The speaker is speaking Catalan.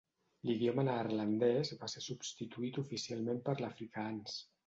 L'idioma neerlandès va ser substituït oficialment per l'afrikaans.